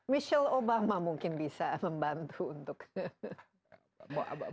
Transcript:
michelle obama mungkin bisa membantu untuk